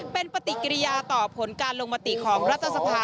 เป็นปฏิกิริยาต่อผลการลงมติของรัฐสภา